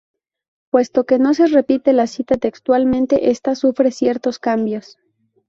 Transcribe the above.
Puesto que no se repite la cita textualmente esta sufre ciertos cambios.